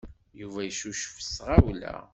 Yuba yeccucef s tɣawla.